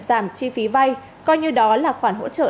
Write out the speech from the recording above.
giảm chi phí vay coi như đó là khoản hỗ trợ